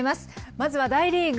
まずは大リーグ。